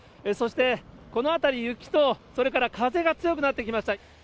そしてこの辺り、雪と、それから風が強くなってきました。